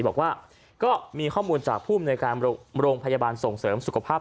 บอกว่าก็มีข้อมูลจากภูมิในการโรงพยาบาลส่งเสริมสุขภาพ